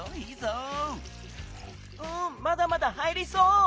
うんまだまだ入りそう！